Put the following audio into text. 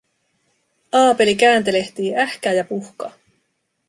Aapeli kääntelehtii, ähkää ja puhkaa.